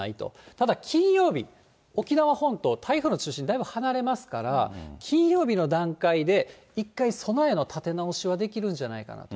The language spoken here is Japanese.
ただ、金曜日、沖縄本島、台風の中心、だいぶ離れますから、金曜日の段階で、一回、備えの立て直しはできるんじゃないかなと。